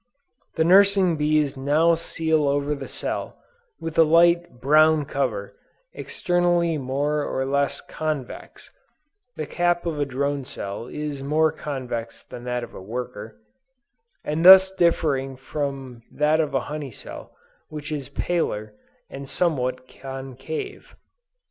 The nursing bees now seal over the cell, with a light brown cover, externally more or less convex, (the cap of a drone cell is more convex than that of a worker,) and thus differing from that of a honey cell which is paler and somewhat concave."